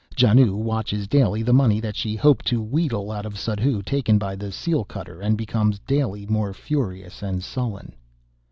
Janoo watches daily the money that she hoped to wheedle out of Suddhoo taken by the seal cutter, and becomes daily more furious and sullen.